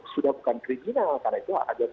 sudah bukan kriminal karena itu ada